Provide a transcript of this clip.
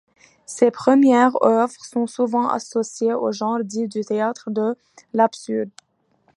Ses premières œuvres sont souvent associées au genre dit du théâtre de l'absurde.